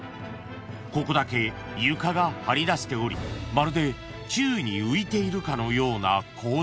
［ここだけ床が張り出しておりまるで宙に浮いているかのような構造］